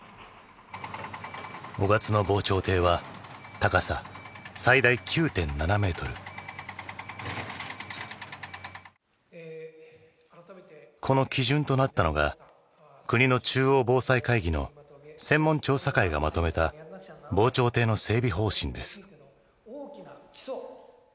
雄勝の防潮堤は高さこの基準となったのが国の中央防災会議の専門調査会がまとめた防潮堤の整備方針です。